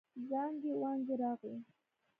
زانګې وانګې راغی.